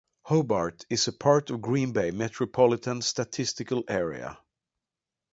Hobart is a part of the Green Bay Metropolitan Statistical Area.